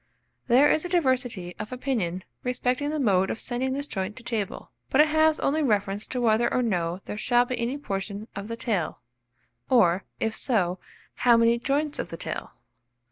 There is a diversity of opinion respecting the mode of sending this joint to table; but it has only reference to whether or no there shall be any portion of the tail, or, if so, how many joints of the tail.